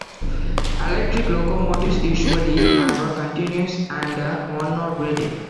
Electric locomotives usually have a "continuous" and a "one-hour" rating.